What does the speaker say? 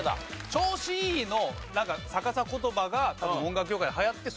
「調子いい」の逆さ言葉が多分音楽業界で流行って